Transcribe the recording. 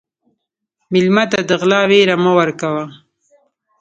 مېلمه ته د غلا وېره مه ورکوه.